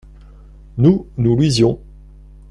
Nous, nous lisions.